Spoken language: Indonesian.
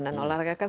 dan olahraga kan